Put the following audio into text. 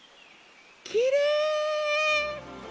きれい！